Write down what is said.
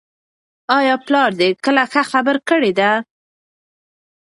آیا پلار دې کله ښه خبره کړې ده؟